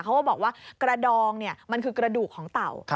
เขาก็บอกว่ากระดองมันคือกระดูกของเต่า